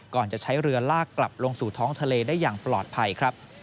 จะใช้เรือลากกลับลงสู่ท้องทะเลได้อย่างปลอดภัยครับ